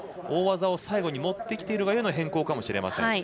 大技を最後に持ってきているがゆえの変更かもしれません。